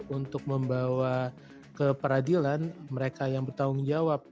untuk membawa ke peradilan mereka yang bertanggung jawab